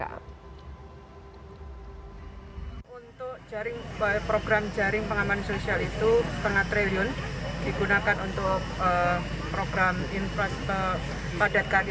untuk program jaring pengalaman sosial itu setengah triliun digunakan untuk program padat karya